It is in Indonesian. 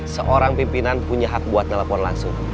seorang pimpinan punya hak buat telepon langsung